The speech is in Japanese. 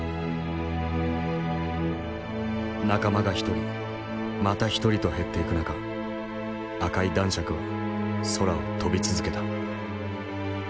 仲間が一人また一人と減っていく中赤い男爵は空を飛び続けた。